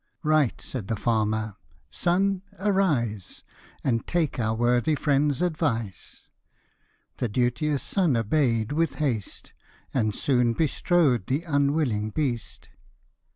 " Right," said the farmer, <* Son, arise, And take our worthy friend's advice/' The duteous son obey'd with haste, And soon bestrode th 'unwilling beast.